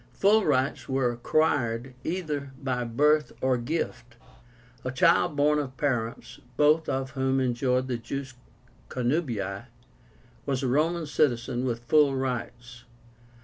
Full rights were acquired either by birth or gift. A child born of parents, both of whom enjoyed the jus connubii, was a Roman citizen with full rights.